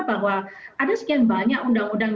bahwa ada sekian banyak undang undang